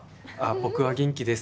僕は元気です。